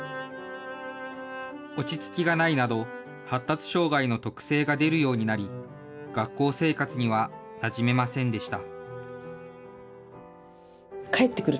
落ち着きがないなど、発達障害の特性が出るようになり、学校生活にはなじめませんでした。